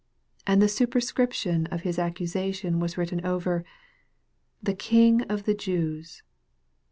26 And the superscription of his accusation was written over, THE KING OF THE JEWS.